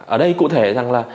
ở đây cụ thể rằng là